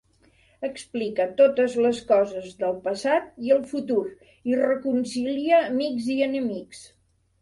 Explica totes les coses del passat i el futur i reconcilia amics i enemics.